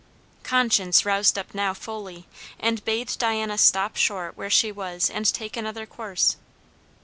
Conscience roused up now fully, and bade Diana stop short where she was and take another course.